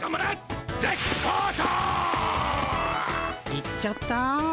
行っちゃった。